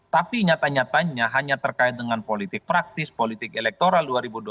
tapi nyata nyatanya hanya terkait dengan politik praktis politik elektoral dua ribu dua puluh